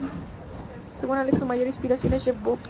Según Alex, su mayor inspiración es Jeff Buckley.